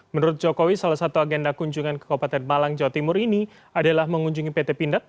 menurut jokowi salah satu agenda kunjungan ke kabupaten malang jawa timur ini adalah mengunjungi pt pindad